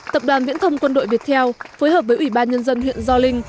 tập đoàn viễn thông quân đội việt theo phối hợp với ủy ban nhân dân huyện gio linh